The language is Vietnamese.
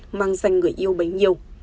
nạn nhân mang dành người yêu bấy nhiêu